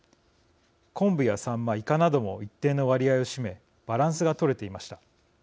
昆布やさんま、いかなども一定の割合を占めバランスが取れていました。